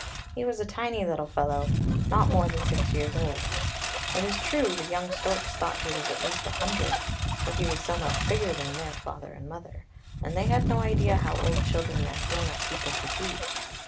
He was a tiny little fellow, not more than six years old. It is true, the young storks thought he was at least a hundred, for he was so much bigger than their father and mother, and they had no idea how old children and grown up people could be.